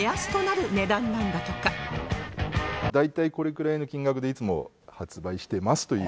大体これくらいの金額でいつも発売してますという。